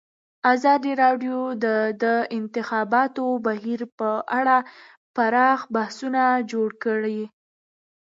ازادي راډیو د د انتخاباتو بهیر په اړه پراخ بحثونه جوړ کړي.